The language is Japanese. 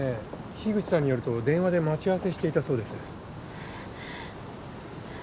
樋口さんによると電話で待ち合わせしていたそうです。